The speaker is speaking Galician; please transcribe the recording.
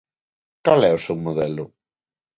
¿Cal é o seu modelo?